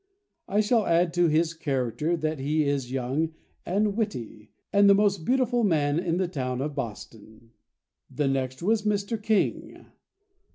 I shall add to his character, that he is young and witty, and the most beautiful man in the town of Boston. "The next was Mr. King.